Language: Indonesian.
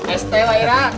es teh waira